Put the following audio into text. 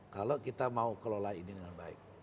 kalau kita mau kelola ini dengan baik